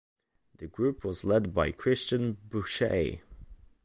The group was led by Christian Bouchet.